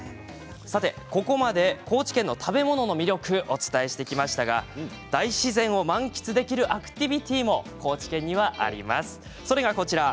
ここまで高知県の食べ物の魅力をお伝えしてきましたが大自然を満喫できるアクティビティーも高知県にはあります。